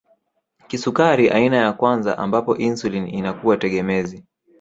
Kisukari aina ya kwanza ambapo insulini inakuwa tegemezi